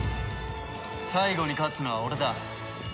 最後に勝つのは俺だ。